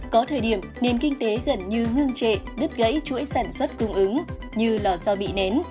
có thời điểm nền kinh tế gần như ngưng trệ đứt gãy chuỗi sản xuất cung ứng như lò so bị nén